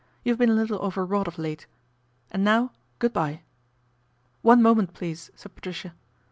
You have been a little overwrought of late, and now, good bye." " One moment, please/' said Patricia.